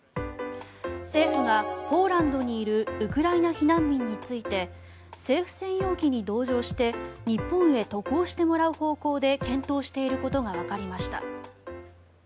政府がポーランドにいるウクライナ避難民について政府専用機に同乗して日本へ渡航してもらう方向で検討していることがわかりました。